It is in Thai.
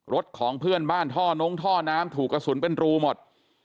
รถของเพื่อนบ้านท่อนงท่อน้ำถูกกระสุนเป็นรูหมด